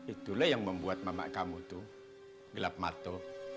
itulah yang membuat mamat kamu gelap mata